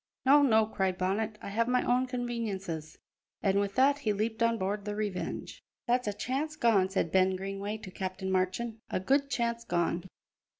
"No, no," cried Bonnet, "I have my own conveniences." And with that he leaped on board the Revenge. "That's a chance gone," said Ben Greenway to Captain Marchand, "a good chance gone.